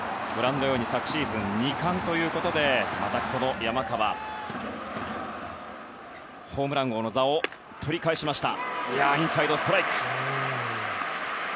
昨シーズン、２冠ということでまた山川、ホームラン王の座を取り返しました。